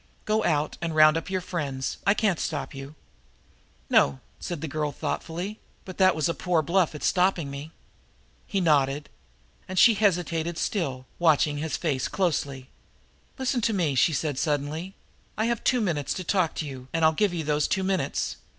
"Go out and round up your friends; I can't stop you." "No," said the girl thoughtfully, "but that was a poor bluff at stopping me." He nodded. And she hesitated still, watching his face closely. "Listen to me," she said suddenly. "I have two minutes to talk to you, and I'll give you those two minutes.